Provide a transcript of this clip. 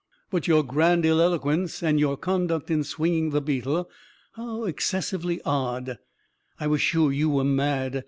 "But your grandiloquence, and your conduct in swinging the beetle how excessively odd! I was sure you were mad.